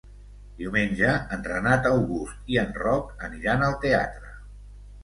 Diumenge en Renat August i en Roc aniran al teatre.